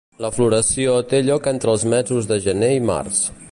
La floració té lloc entre els mesos de gener i març.